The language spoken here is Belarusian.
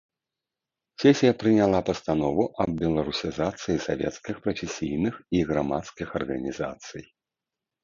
Сесія прыняла пастанову аб беларусізацыі савецкіх, прафесійных і грамадскіх арганізацый.